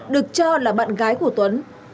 được cho là bạn gái của tuấn